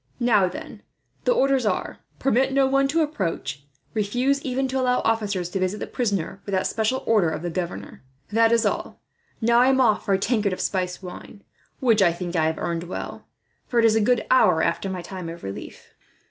"Now, then, the orders are: 'Permit no one to approach. Refuse even to allow officers to visit the prisoner, without a special order of the governor.' That is all. "Now I am off for a tankard of spiced wine, which I think I have earned well, for it is a good hour after my time of relief."